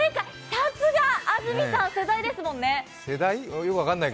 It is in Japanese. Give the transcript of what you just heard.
さすが安住さん、世代ですもんね。